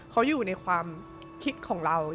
เขาอยู่ในความคิดของเรา